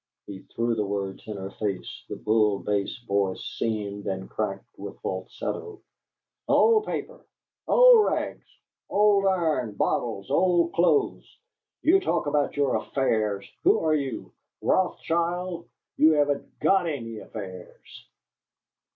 He threw the words in her face, the bull bass voice seamed and cracked with falsetto. "Old paper, old rags, old iron, bottles, old clothes! You talk about your affairs! Who are you? Rothschild? You haven't GOT any affairs!"